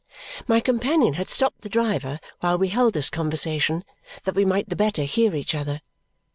My companion had stopped the driver while we held this conversation, that we might the better hear each other.